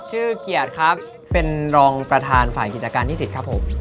ชื่อเกียรติครับเป็นรองประธานฝ่านกิจการที่ศิษย์ครับผม